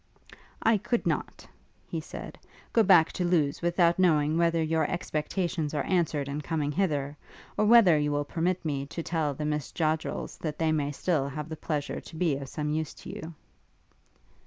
'I could not,' he said, 'go back to Lewes without knowing whether your expectations are answered in coming hither; or whether you will permit me to tell the Miss Joddrels that they may still have the pleasure to be of some use to you.'